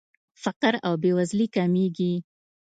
فقر او بېوزلي کمیږي.